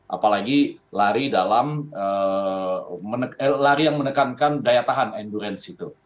apalagi lari dalam lari yang menekankan daya tahan endurance itu